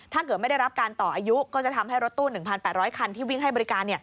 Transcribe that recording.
ถ้าเกิดไม่ได้รับการต่ออายุก็จะทำให้รถตู้๑๘๐๐คันที่วิ่งให้บริการ